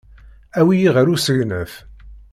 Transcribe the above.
Awi-iyi ɣer usegnaf.